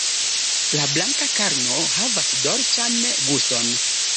La blanka karno havas dolĉan guston.